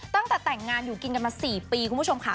ตั้งแต่แต่งงานอยู่กินกันมา๔ปีคุณผู้ชมค่ะ